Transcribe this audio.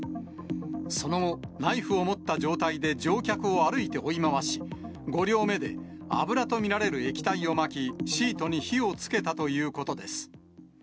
その後、ナイフを持った状態で乗客を歩いて追い回し、５両目で油と見られる液体をまき、シートに火をつけたということです。